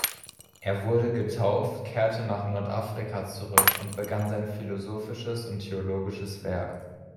Er wurde getauft, kehrte nach Nordafrika zurück und begann sein philosophisches und theologisches Werk.